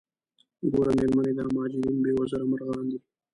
ګوره میرمنې دا مهاجرین بې وزره مرغان دي.